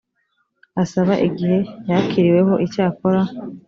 asaba igihe yakiriweho icyakora